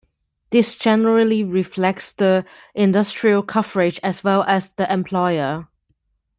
This generally reflects the industrial coverage as well as the employer.